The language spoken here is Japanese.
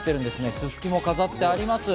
ススキも飾ってあります。